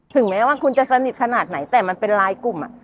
แม้ว่าคุณจะสนิทขนาดไหนแต่มันเป็นลายกลุ่ม